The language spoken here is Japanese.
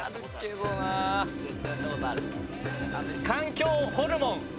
環境ホルモン。